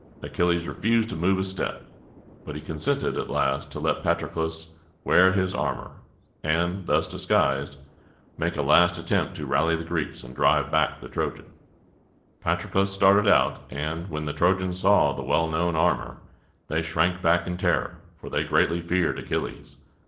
Achilles refused to move a step; but he consented at last to let Patroclus wear his armor, and, thus disguised, make a last attempt to rally the Greeks and drive back the Trojans. Patroclus started out, and, when the Trojans saw the well known armor, they shrank back in terror, for they greatly feared Achilles.